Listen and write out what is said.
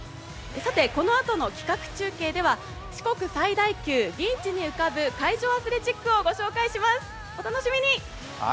このあとの企画中継では四国最大級、ビーチに浮かぶ海上アスレチックをご紹介します、お楽しみに。